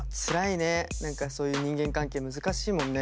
何かそういう人間関係難しいもんね。